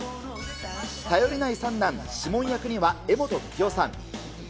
頼りない三男、詩文役には柄本時生さん。